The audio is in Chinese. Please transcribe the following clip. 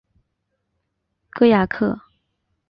戈雅克。